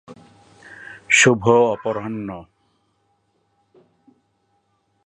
শুভ অপরাহ্ন!